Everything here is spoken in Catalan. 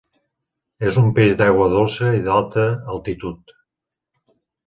És un peix d'aigua dolça i d'alta altitud.